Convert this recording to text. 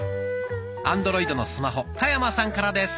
アンドロイドのスマホ田山さんからです。